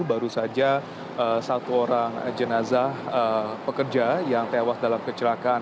baru saja satu orang jenazah pekerja yang tewas dalam kecelakaan